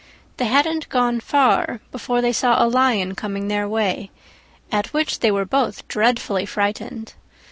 They hadn't gone far before they saw a Lion coming their way, at which they were both dreadfully frightened.